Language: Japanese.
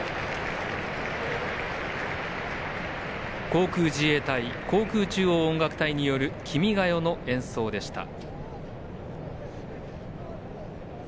航空自衛隊航空中央音楽隊による「君が代」の演奏でした。